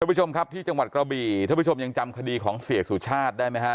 ผู้ชมครับที่จังหวัดกระบี่ท่านผู้ชมยังจำคดีของเสียสุชาติได้ไหมฮะ